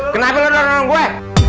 kenapa lu udah nolong gue